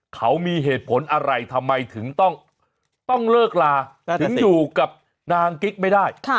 เขามีเหตุผลอะไรทำไมถึงต้องเลิกลาถึงอยู่กับนางกิ๊กไม่ได้